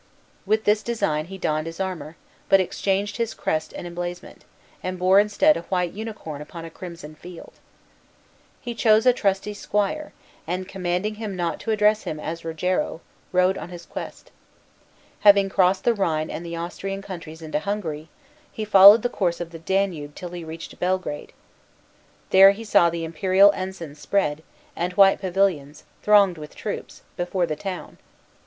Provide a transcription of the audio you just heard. With this design he donned his armor, but exchanged his crest and emblazonment, and bore instead a white unicorn upon a crimson field. He chose a trusty squire, and, commanding him not to address him as Rogero, rode on his quest. Having crossed the Rhine and the Austrian countries into Hungary, he followed the course of the Danube till he reached Belgrade. There he saw the imperial ensigns spread, and white pavilions, thronged with troops, before the town.